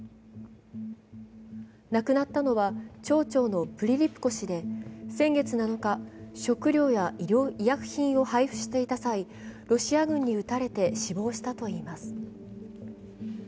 亡くなったのは町長のプリリプコ氏で、先月７日、食料や医薬品を配布していた際、ロシア軍に撃たれて死亡したといいます。